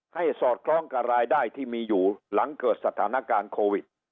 สอดคล้องกับรายได้ที่มีอยู่หลังเกิดสถานการณ์โควิด